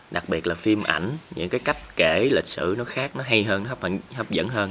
đặc biệt là phim ảnh những cái cách kể lịch sử nó khác nó hay hơn nó hấp dẫn hơn